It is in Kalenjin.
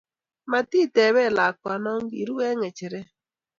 Matiteben lakwano kiru eng' ng'echere